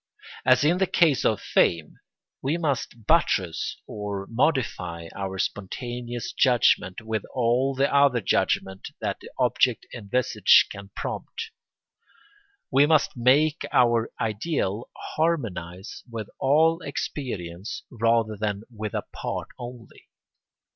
As in the case of fame, we must buttress or modify our spontaneous judgment with all the other judgments that the object envisaged can prompt: we must make our ideal harmonise with all experience rather than with a part only.